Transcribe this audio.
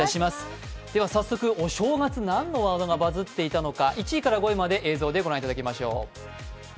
早速お正月、何のワードがバズっていたのか、１位から５位まで映像で御覧いただきましょう。